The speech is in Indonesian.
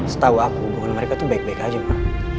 setahu aku hubungan mereka tuh baik baik aja ma